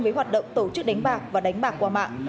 với hoạt động tổ chức đánh bạc và đánh bạc qua mạng